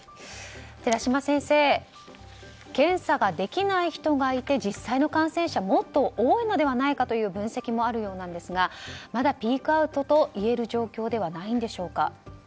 寺嶋先生検査ができない人がいて実際の感染者はもっと多いのではないかという分析もあるようですがまだピークアウトといえる状況でないんでしょうか？